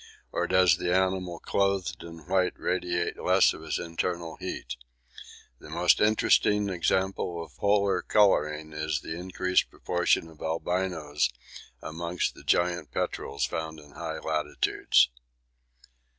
Or does the animal clothed in white radiate less of his internal heat? The most interesting example of Polar colouring here is the increased proportion of albinos amongst the giant petrels found in high latitudes.